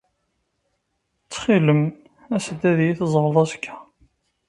Ttxil-m, as-d ad iyi-teẓred azekka.